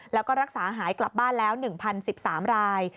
แล้วก็รักษาหายกลับบ้านแล้ว๑๐๑๓ราย